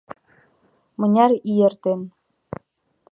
Мыняр ий эртен...